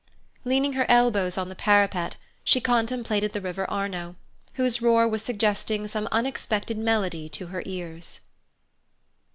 Leaning her elbows on the parapet, she contemplated the River Arno, whose roar was suggesting some unexpected melody to her ears.